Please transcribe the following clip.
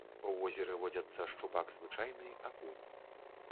У возеры водзяцца шчупак звычайны, акунь.